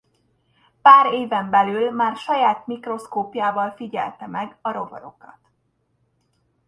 Pár éven belül már saját mikroszkópjával figyelte meg a rovarokat.